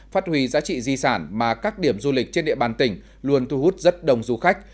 phát huy giá trị di sản mà các điểm du lịch trên địa bàn tỉnh luôn thu hút rất đông du khách